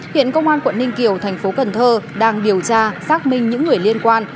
hiện công an quận ninh kiều tp cn đang điều tra xác minh những người liên quan